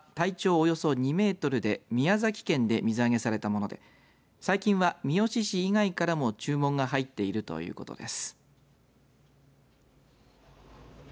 およそ２メートルで宮崎県で水揚げされたもので最近は三次市以外からも注文が入っているということです。